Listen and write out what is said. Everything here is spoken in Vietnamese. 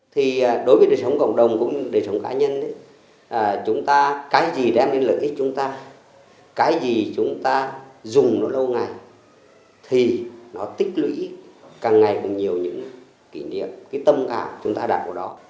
thì đối với đời sống cộng đồng cũng như đời sống cá nhân cái gì đem đến lợi ích chúng ta cái gì chúng ta dùng nó lâu ngày thì nó tích lũy càng ngày cùng nhiều những kỷ niệm tâm cảm chúng ta đạt của đó